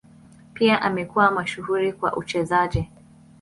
Pia amekuwa mashuhuri kwa uchezaji.